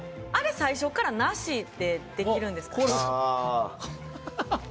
あれ最初からなしって、できるんですか？